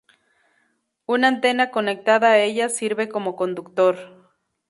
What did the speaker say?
Una antena conectada a ella sirve como conductor.